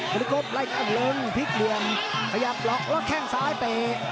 บริโกฟไล่กันลงพลิกลวงขยับหลอกแล้วแข่งซ้ายไป